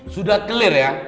sudah clear ya